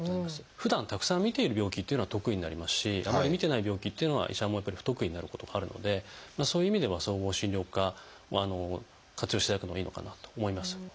ふだんたくさん診ている病気というのは得意になりますしあまり診てない病気というのは医者も不得意になることがあるのでそういう意味では総合診療科を活用していただくのがいいのかなと思います。